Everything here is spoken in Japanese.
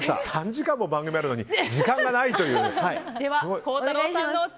３時間も番組あるのに時間がないというね。